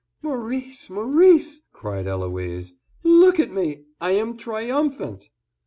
"Maurice, Maurice," cried Eloise, "look at me, I am triumphant!"